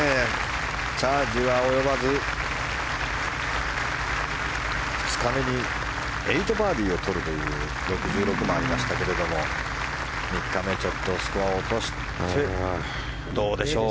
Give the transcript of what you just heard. チャージは及ばず２日目に８バーディーを取るという６６もありましたけど３日目、スコアを落としてどうでしょう。